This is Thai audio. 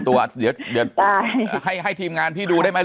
แต่ว่าถ้าพี่อยากดูหนูให้ดูได้ถึงอันส่วนตัวค่ะ